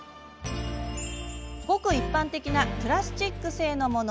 ごく一般的なプラスチック製のもの。